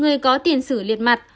người có tiền sử liệt mặt